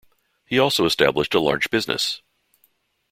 He also established a large business.